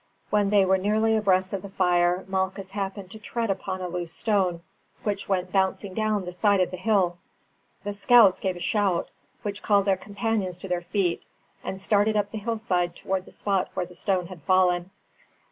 When they were nearly abreast of the fire, Malchus happened to tread upon a loose stone, which went bouncing down the side of the hill. The scouts gave a shout, which called their companions to their feet, and started up the hillside towards the spot where the stone had fallen.